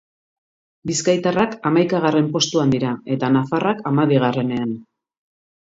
Bizkaitarrak hamaikagarren postuan dira eta nafarrak hamabigarrenean.